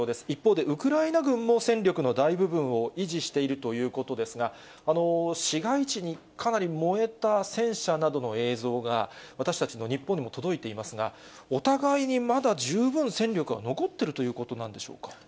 一方でウクライナ軍も、戦力の大部分を維持しているということですが、市街地にかなり燃えた戦車などの映像が、私たちの日本にも届いていますが、お互いにまだ十分戦力は残ってるということなんでしょうか。